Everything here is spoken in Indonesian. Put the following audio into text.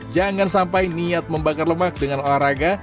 jangan sampai niat membakar lemak dengan olahraga